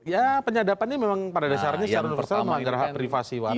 ya penyadapan ini memang pada dasarnya secara universal melanggar hak privasi warga